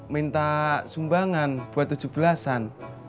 minta sumbangan buat tujuh belasan